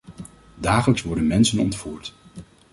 Dagelijks worden mensen ontvoerd.